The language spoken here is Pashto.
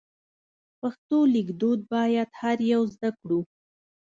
پښتو لیک دود باید هر یو زده کړو.